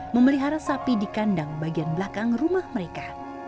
memelihara sapi di kandang bagian belakang rumah mereka